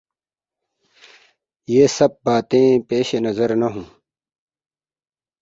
یہ سب باتیں پیش نظر نہ ہوں۔